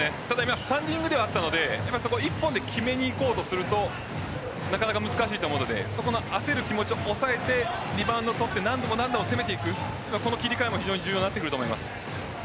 スタンディングではあったので１本で決めにいこうとするとなかなか難しいと思うので焦る気持ちを抑えてリバウンドを取って何度何度も攻めていく切り替えも重要になってきます。